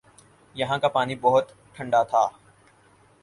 یہاں کا پانی بہت ٹھنڈا تھا ۔